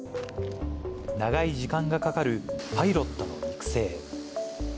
長い時間がかかるパイロットの育成。